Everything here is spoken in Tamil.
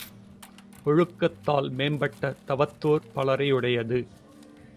ஒழுக்கத்தால் மேம்பட்ட தவத்தோர் பலரை யுடையது.